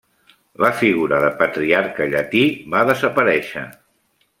La figura de Patriarca Llatí va desaparèixer.